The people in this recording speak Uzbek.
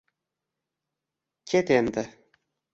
Ket endi